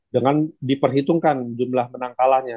dengan diperhitungkan jumlah menang kalahnya